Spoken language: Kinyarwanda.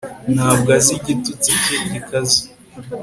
Ntabwo azi igitutsi cye gikaze